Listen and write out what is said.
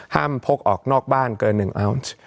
ห้ามพกออกนอกบ้านเกิน๑ออนซ์